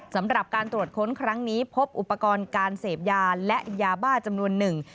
สำหรับการตรวจค้นครั้งนี้พบอุปกรณ์การเสพยาและยาบ้าจำนวนหนึ่ง